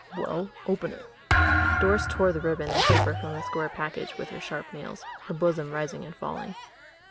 "Well, open it." Doris tore the ribbon and paper from the square package with her sharp nails, her bosom rising and falling.